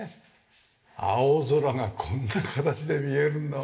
青空がこんな形で見えるんだもんね。